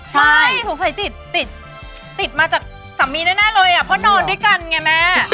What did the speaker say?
ใช่ถึงสัยติดมาจากสามีแน่เลยนะเนี่ยเพราะนอนด้วยกันไงแม่